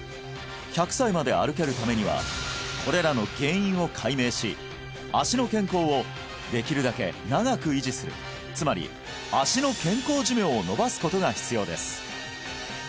１００歳まで歩けるためにはこれらの原因を解明し足の健康をできるだけ長く維持するつまりを延ばすことが必要です